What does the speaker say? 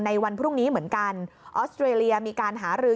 วันพรุ่งนี้เหมือนกันออสเตรเลียมีการหารือ